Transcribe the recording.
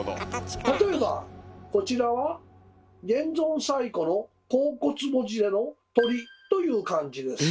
例えばこちらは現存最古の甲骨文字での「鳥」という漢字です。